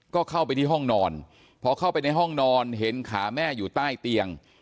ก็เข้าไปที่ห้องนอนพอเข้าไปในห้องนอนเห็นขาแม่อยู่ใต้เตียง